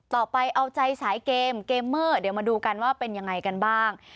ต่อไปเอาใจสายเกมเกมเมอร์เดี๋ยวมาดูกันว่าเป็นยังไงกันบ้าง